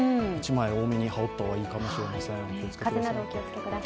１枚多めに羽織った方がいいかもしれません。